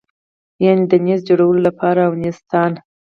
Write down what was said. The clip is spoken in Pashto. یعنې د نېزې جوړولو ځای او نېزه ستان.